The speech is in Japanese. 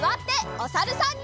おさるさん。